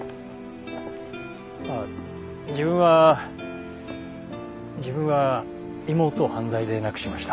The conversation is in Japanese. あっ自分は自分は妹を犯罪で亡くしました。